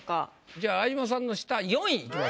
じゃあ相島さんの下４位いきましょう。